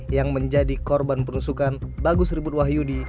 yang menjadi korban penusukan bagus ribut wahyudi